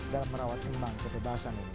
dan merawat timbang ketebasan ini